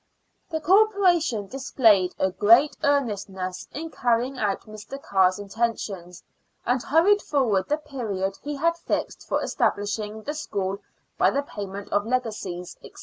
The Corporation displayed great earnestness in carrying out Mr. Carr's intentions, and hurried forward the period he had fixed for establishing the school by the payment of legacies, &c.